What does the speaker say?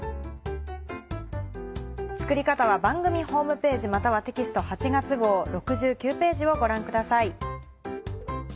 作り方は番組ホームページまたはテキスト８月号６９ページをご覧ください。